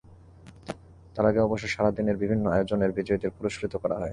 তার আগে অবশ্য সারা দিনের বিভিন্ন আয়োজনের বিজয়ীদের পুরস্কৃত করা হয়।